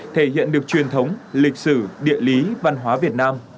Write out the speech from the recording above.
thể hiện được truyền thống lịch sử địa lý văn hóa việt nam